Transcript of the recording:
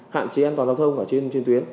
hạn chế an toàn giao thông ở trên tuyến